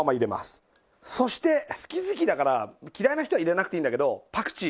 そして好き好きだから嫌いな人は入れなくていいんだけどパクチー。